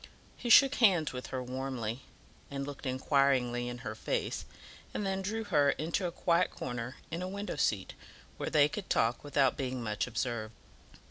He shook hands with her warmly, and looked inquiringly in her face, and then drew her into a quiet corner in a window seat, where they could talk without being much observed.